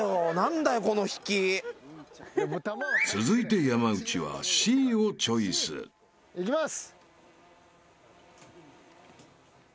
［続いて山内はＣをチョイス］いきます。